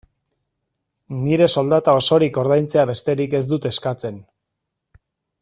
Nire soldata osorik ordaintzea besterik ez dut eskatzen.